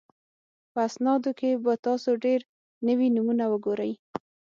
په اسنادو کې به تاسو ډېر نوي نومونه وګورئ.